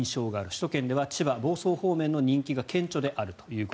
首都圏では千葉・房総方面の人気が顕著であると。